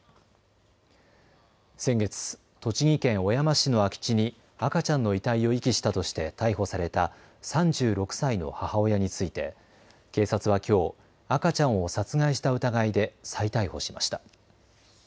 先月、栃木県小山市の空き地に赤ちゃんの遺体を遺棄したとして逮捕された３６歳の母親について警察はきょう、赤ちゃんを殺害した疑いで再逮捕しました。